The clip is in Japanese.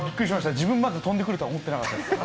自分まで飛んでくるとは思ってなかったんで。